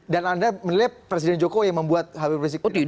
dan anda melihat presiden joko yang membuat hp beresik itu